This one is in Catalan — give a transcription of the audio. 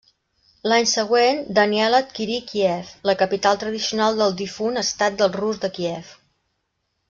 L'any següent, Daniel adquirí Kíev, la capital tradicional del difunt estat del Rus de Kíev.